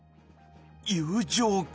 友情か。